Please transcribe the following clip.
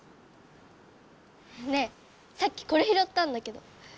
ねえさっきこれひろったんだけど！